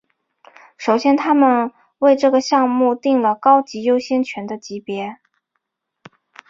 首先他们为这个项目订了高级优先权的级别。